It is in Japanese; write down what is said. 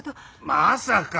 まさか。